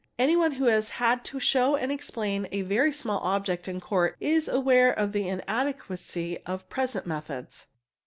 Anyone who has had to — show and explain a very small object in Court is aware of the inadequacy of present methods.